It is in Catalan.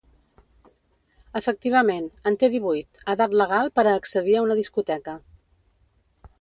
Efectivament, en té divuit, edat legal per a accedir a una discoteca.